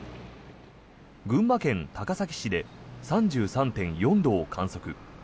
群馬県高崎市で３３．４度を観測。